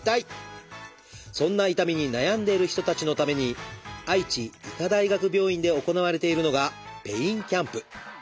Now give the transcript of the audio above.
そんな痛みに悩んでいる人たちのために愛知医科大学病院で行われているのがペインキャンプ。